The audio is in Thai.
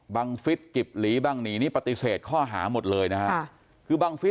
ฟิศกิบหลีบังหนีนี่ปฏิเสธข้อหาหมดเลยนะฮะคือบังฟิศ